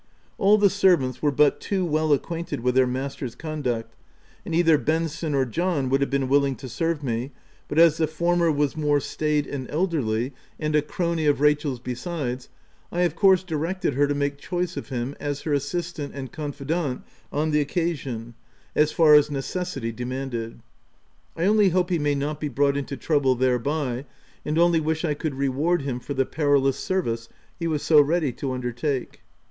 All the servants were but too well acquainted with their master's conduct, and either Benson or John would have been willing to serve me, but as the former was more staid OF WILDFELL HALL. 115 and elderly, and a crony of Rachel's besides, I of course directed her to make choice of him as her assistant and confidant on the occasion, as far as necessity remanded. I only hope he may not be brought into trouble thereby, and only wish I could reward him for the perilous service he was so ready to undertake.